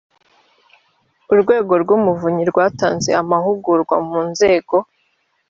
urwego rw’umuvunyi rwatanze amahugurwa mu nzego